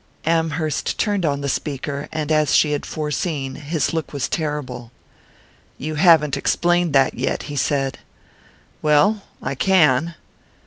Amherst turned on the speaker; and, as she had foreseen, his look was terrible. "You haven't explained that yet," he said. "Well I can."